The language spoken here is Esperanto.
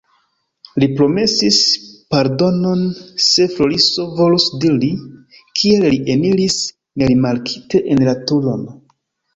Li promesis pardonon, se Floriso volus diri, kiel li eniris nerimarkite en la turon.